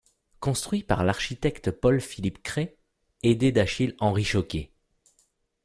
Construit par l'architecte Paul Philippe Cret aidé d'Achille-Henri Chauquet.